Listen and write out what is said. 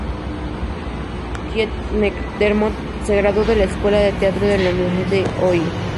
Keith McDermott se graduó de la Escuela de Teatro en la Universidad de Ohio.